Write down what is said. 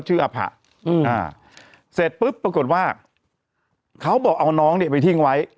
ก็ชื่ออภะเสร็จปุ๊บปรากฏว่าเขาบอกเอาน้องนี้ไปทิ่งไว้